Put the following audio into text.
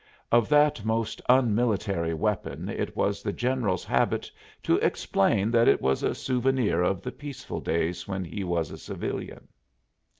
Of that most unmilitary weapon it was the general's habit to explain that it was a souvenir of the peaceful days when he was a civilian.